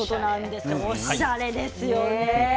おしゃれですよね。